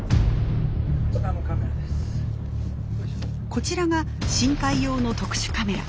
こちらが深海用の特殊カメラ。